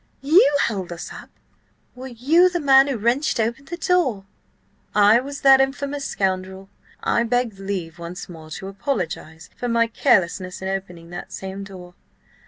You held us up? Were you the man who wrenched open the door?" "I was that infamous scoundrel. I beg leave once more to apologise for my carelessness in opening that same door.